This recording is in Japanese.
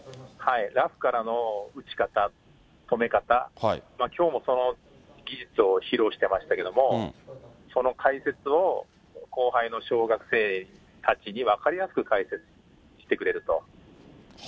ラフからの打ち方、止め方、きょうもその技術を披露してましたけども、その解説を後輩の小学生たちに分かりやすく解説してくれると。